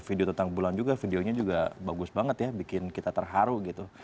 video tentang bulan juga videonya juga bagus banget ya bikin kita terharu gitu